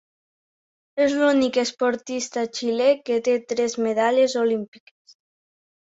És l'únic esportista xilè que té tres medalles olímpiques.